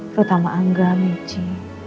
terutama angga meiji